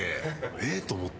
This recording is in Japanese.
「えっ？」と思って。